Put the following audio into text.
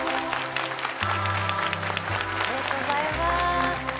ありがとうございます。